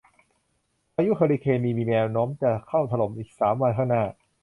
พายุเฮอริเคนมีมีแนวโน้มจะเข้าถล่มอีกสามวันข้างหน้า